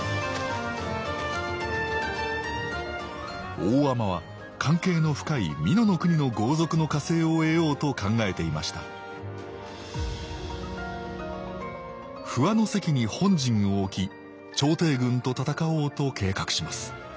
大海人は関係の深い美濃国の豪族の加勢を得ようと考えていました不破関に本陣を置き朝廷軍と戦おうと計画します。